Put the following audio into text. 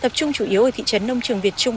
tập trung chủ yếu ở thị trấn nông trường việt trung